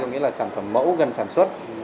có nghĩa là sản phẩm mẫu gần sản xuất